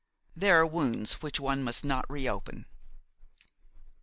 There are wounds which one must not reopen."